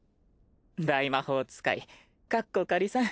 大魔法使いカッコ仮さん。